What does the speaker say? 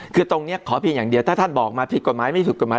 คือตรงนี้ขอเพียงอย่างเดียวถ้าท่านบอกมาผิดกฎหมายไม่ถูกกฎหมาย